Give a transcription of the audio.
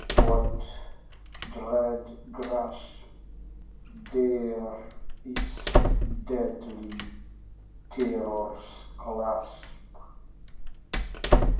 what dread grasp Dare its deadly terrors clasp?